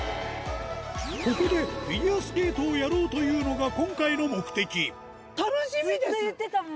ここでフィギュアスケートをやろうというのが今回の目的楽しみです！